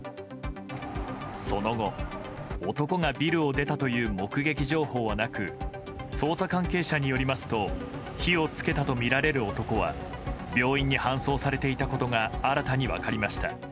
その後、男がビルを出たという目撃情報はなく捜査関係者によりますと火をつけたとみられる男は病院に搬送されていたことが新たに分かりました。